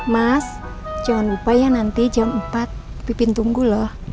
mas jangan lupa ya nanti jam empat pipin tunggu loh